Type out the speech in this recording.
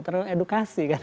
tergantung edukasi kan